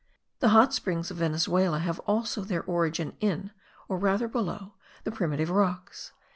The hot springs of Venezuela have also their origin in, or rather below, the primitive rocks.